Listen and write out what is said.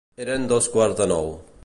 Eren dos quarts de nou.